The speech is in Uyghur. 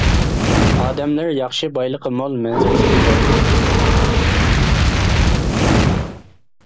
ئادەملىرى ياخشى، بايلىقى مول، مەنزىرىسى گۈزەل.